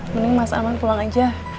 mending mas aman pulang aja